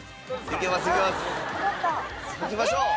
いきましょう！